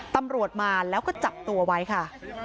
ตำรวจมาแล้วก็จับตัวไว้ค่ะ